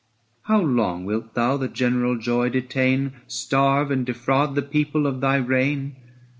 How long wilt thou the general joy detain, Starve and defraud the people of thy reign?